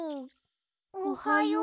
おはよう。